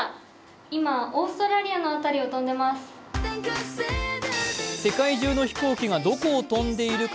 今オーストラリアの辺りを飛んでいます。